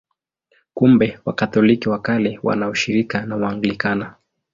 Kumbe Wakatoliki wa Kale wana ushirika na Waanglikana.